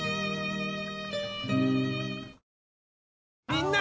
みんな！